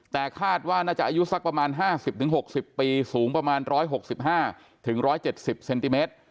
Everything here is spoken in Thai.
แต่คาดว่าน่าจะอายุสักประมาณ๕๐๖๐ปีสูงประมาณ๑๖๕๑๗๐เซนติเมตร